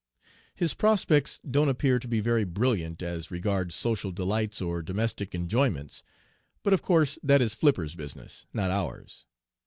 "His prospects don't appear to be very brilliant as regards social delights or domestic enjoyments, but of course that is Flipper's business not ours.